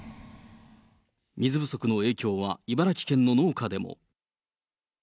水不足の影響は茨城県の農家でも。